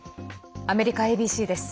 アメリカＡＢＣです。